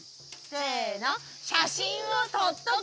せの。